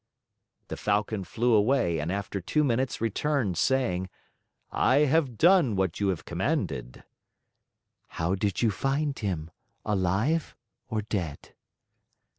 The Falcon flew away and after two minutes returned, saying, "I have done what you have commanded." "How did you find him? Alive or dead?"